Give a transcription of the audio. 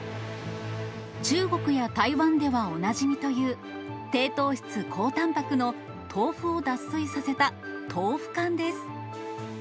中国や台湾ではおなじみという、低糖質、高たんぱくの豆腐を脱水させた豆腐干です。